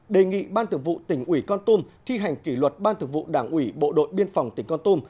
đề nghị ban thường vụ tỉnh ủy con tum thi hành kỷ luật ban thường vụ đảng ủy bộ đội biên phòng tỉnh con tum